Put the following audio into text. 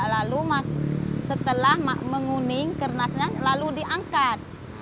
lalu setelah menguning kernasnya lalu diangkat